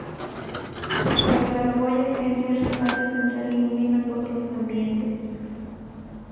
La claraboya que encierra el patio central ilumina todos los ambientes.